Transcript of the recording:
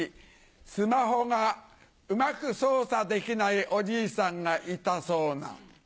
スマホがうまく操作できないおじいさんがいたそうな。